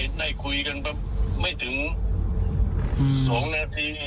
แล้วก็ได้คุยกันไม่ถึงสองนาที